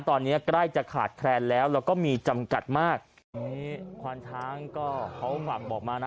ตอนนี้ใกล้จะขาดแคลนแล้วแล้วก็มีจำกัดมากนี่ควานช้างก็เขาฝากบอกมานะ